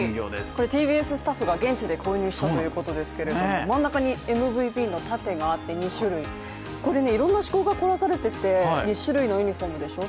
これ、ＴＢＳスタッフで現地で購入したということですけど、真ん中にＭＶＰの盾があって２種類、これいろんな趣向が凝らされてて２種類のユニフォームでしょ